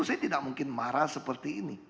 saya tidak mungkin marah seperti ini